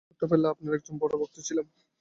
আমি ছোটবেলায় আপনার একজন বড় ভক্ত ছিলাম।